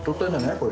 これ。